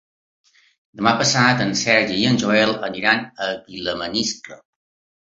Demà passat en Sergi i en Joel aniran a Vilamaniscle.